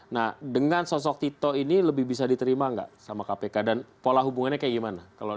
nah dengan sosok tito ini lebih bisa diterima nggak sama kpk dan pola hubungannya kayak gimana